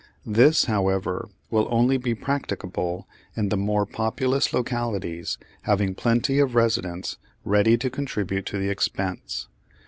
This, however, will only be practicable in the more populous localities having plenty of residents ready to contribute to the expense.